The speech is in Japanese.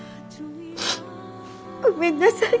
ごめんなさい。